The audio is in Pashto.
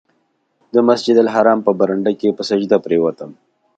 د مسجدالحرام په برنډه کې په سجده پرېوتم.